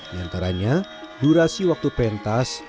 di antaranya durasi waktu pentas